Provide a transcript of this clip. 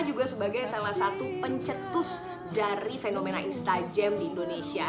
jadi gue sebagai salah satu pencetus dari fenomena instajam di indonesia